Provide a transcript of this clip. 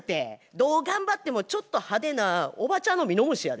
どう頑張ってもちょっと派手なおばちゃんのミノムシやで。